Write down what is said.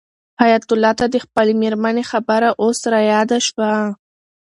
حیات الله ته د خپلې مېرمنې خبره اوس رایاده شوه.